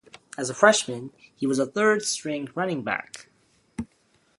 As a freshman, he was a third-string running back.